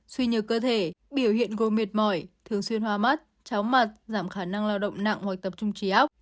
xuyên nhược cơ thể biểu hiện gồm miệt mỏi thường xuyên hóa mắt chóng mặt giảm khả năng lao động nặng hoặc tập trung trí óc